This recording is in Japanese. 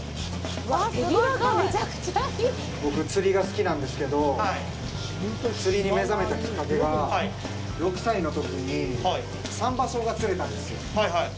僕、釣りが好きなんですけど釣りに目覚めたきっかけが６歳のときにサンバソウが釣れたんですよ。